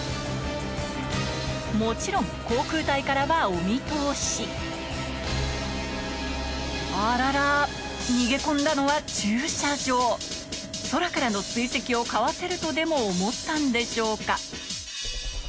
もちろん航空隊からはお見通しあらら逃げ込んだのは空からの追跡をかわせるとでも思ったんでしょうか